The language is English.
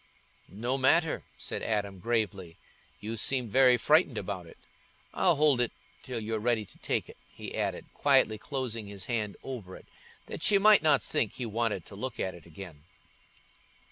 "Not matter?" said Adam, gravely. "You seemed very frightened about it. I'll hold it till you're ready to take it," he added, quietly closing his hand over it, that she might not think he wanted to look at it again.